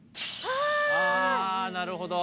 あなるほど！